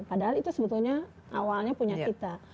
padahal itu sebetulnya awalnya punya kita